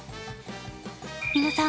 皆さん